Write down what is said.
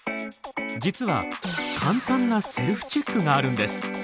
実は簡単なセルフチェックがあるんです。